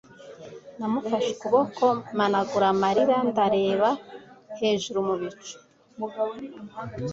Namufashe ukuboko mpanagura amarira ndareba hejuru mu bicu